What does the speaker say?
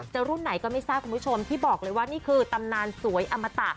รุ่นไหนก็ไม่ทราบคุณผู้ชมที่บอกเลยว่านี่คือตำนานสวยอมตะ